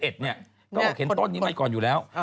ก็เห็นต้นนี้มาก่อนอยู่แล้ว